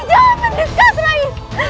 jangan mendiskutasi rai